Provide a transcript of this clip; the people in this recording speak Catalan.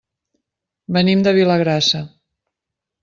Venim de Vilagrassa.